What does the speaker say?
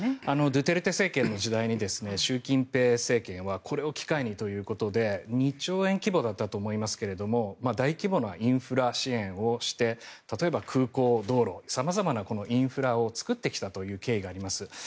ドゥテルテ政権の時代に習近平政権はこれを機会にということで２兆円規模だったと思いますが大規模なインフラ支援をして例えば空港、道路様々なインフラを作ってきたという経緯があります。